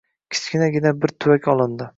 Kichkinagina bir tuvak olindi